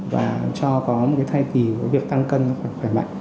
và cho có một cái thai kỳ của việc tăng cân và khỏe mạnh